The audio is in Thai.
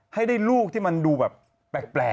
ให้ได้ลูกที่มันดูแบบแปลก